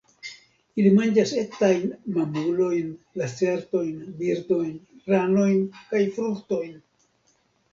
Ili manĝas etajn mamulojn, lacertojn, birdojn, ranojn kaj fruktojn.